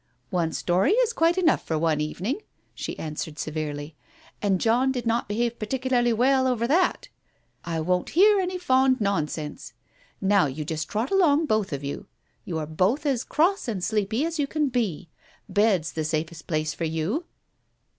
"One story is quite enough for one evening," she answered severely; "and John did not behave particu larly well over that; I won't hear any fond nonsense. Now you just trot along both of you ! You are both as cross and sleepy as you can be. Bed's the safest place for you